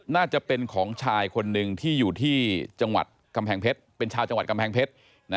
น่าจะเป็นของชายคนหนึ่งที่อยู่ที่จังหวัดกำแพงเพชรเป็นชาวจังหวัดกำแพงเพชร